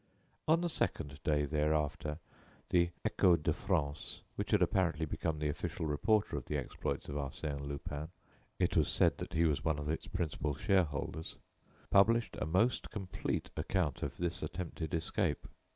On the second day thereafter, the Echo de France, which had apparently become the official reporter of the exploits of Arsène Lupin, it was said that he was one of its principal shareholders published a most complete account of this attempted escape.